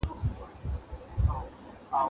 ستونزي د ژوند د پرمختګ فرصت دی.